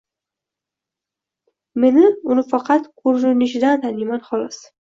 Meni uni faqat ko'rinishidan taniyman, xolos.